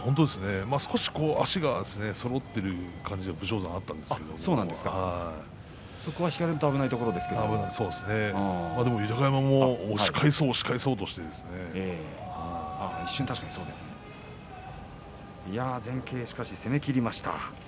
少し足がそろっている感じ、武将山、ありましたけれども引かれると危ないところですけど豊山も押し返そう押し返そうとしていました。